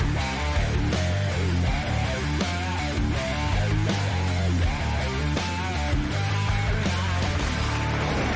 จากทั่วประเทศเลยนะคะ